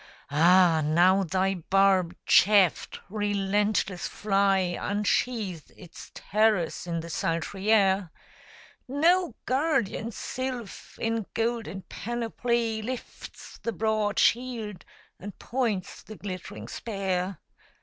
—Ah now thy barbed shaft, relentless fly, Unsheaths its terrors in the sultry air! No guardian sylph, in golden panoply, Lifts the broad shield, and points the glittering spear.